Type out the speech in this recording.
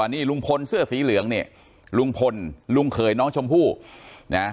นี่ลุงพลเสื้อสีเหลืองเนี่ยลุงพลลุงเขยน้องชมพู่นะ